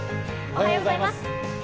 おはようございます。